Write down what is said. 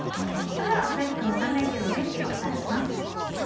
それでは、全国の３連休の天気お伝えします。